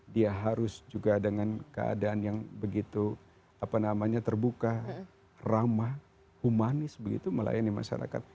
dia harus juga dengan keadaan yang begitu terbuka ramah humanis begitu melayani masyarakat